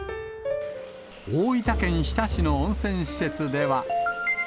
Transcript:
大分県日田市の温泉施設では。